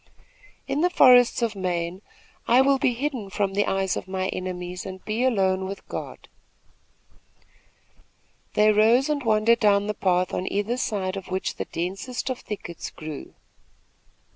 "In the forests of Maine, I will be hidden from the eyes of my enemies and be alone with God." They rose and wandered down the path on either side of which the densest of thickets grew.